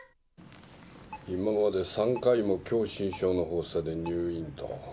今まで３回も狭心症の発作で入院と。